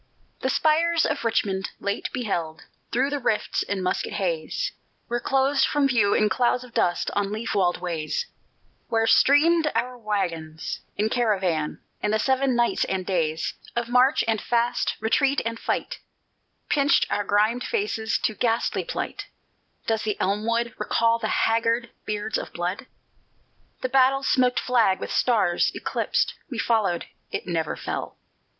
The spires of Richmond, late beheld Through rifts in musket haze, Were closed from view in clouds of dust On leaf walled ways, Where streamed our wagons in caravan; And the Seven Nights and Days Of march and fast, retreat and fight, Pinched our grimed faces to ghastly plight Does the elm wood Recall the haggard beards of blood? The battle smoked flag, with stars eclipsed, We followed (it never fell!)